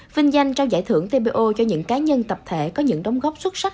vinh danh trao giải thưởng tpo cho những cá nhân tập thể có những đóng góp xuất sắc